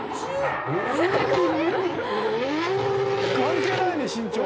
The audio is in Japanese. すごい！関係ないね身長。